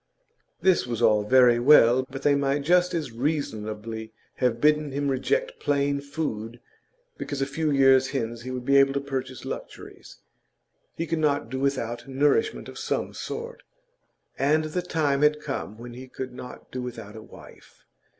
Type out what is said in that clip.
This was all very well, but they might just as reasonably have bidden him reject plain food because a few years hence he would be able to purchase luxuries; he could not do without nourishment of some sort, and the time had come when he could not do without a wife.